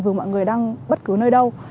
dù mọi người đang bất cứ nơi đâu